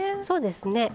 そうですね。